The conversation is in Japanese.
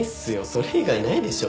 それ以外ないでしょ。